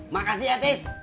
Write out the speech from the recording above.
makasih ya tis